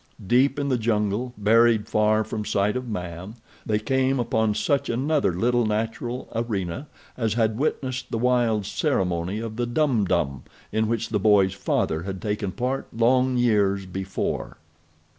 Deep in the jungle, buried far from sight of man, they came upon such another little natural arena as had witnessed the wild ceremony of the Dum Dum in which the boy's father had taken part long years before.